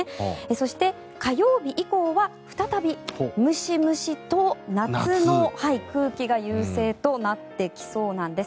そして、火曜日以降は再びムシムシと夏の空気が優勢となってきそうなんです。